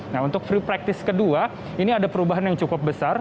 nah untuk free practice kedua ini ada perubahan yang cukup besar